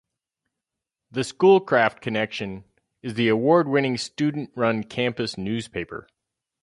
The "Schoolcraft Connection" is the award-winning student-run campus newspaper.